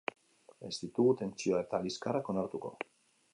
Ez ditugu tentsioa eta liskarrak onartuko.